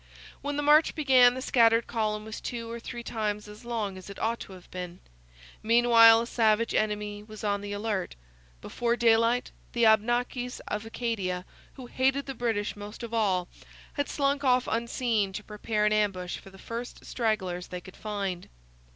When the march began the scattered column was two or three times as long as it ought to have been. Meanwhile a savage enemy was on the alert. Before daylight the Abnakis of Acadia, who hated the British most of all, had slunk off unseen to prepare an ambush for the first stragglers they could find.